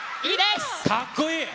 かっこいい。